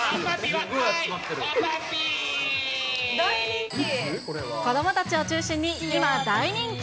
はい、子どもたちを中心に、今大人気。